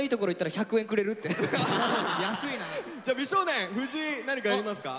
じゃあ美少年藤井何かありますか？